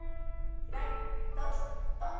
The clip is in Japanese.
開いて閉じて跳んで。